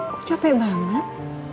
kok capek banget